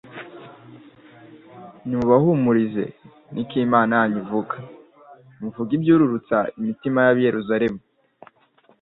nimubahumurize. Niko Imana yanyu ivuga. Muvuge ibyururutsa imitima y'ab'i Yerusalemu,